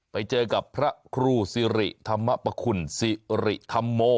ไปเจอกับพระครูสิริธรรมปคุณสิริธรรมโม